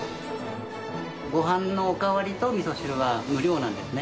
ごはんのお代わりとみそ汁は無料なんですね。